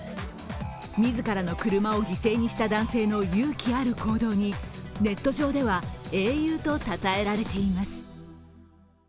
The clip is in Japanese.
自らの車を犠牲にした男性の勇気ある行動に、ネット上では英雄とたたえられています。